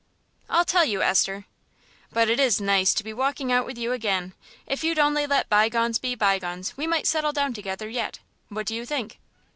"I'll tell you, Esther.... But it is nice to be walking out with you again. If you'd only let bygones be bygones we might settle down together yet. What do you think?"